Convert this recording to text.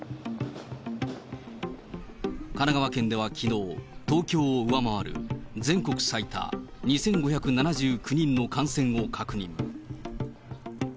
神奈川県ではきのう、東京を上回る、全国最多２５７９人の感染を確認。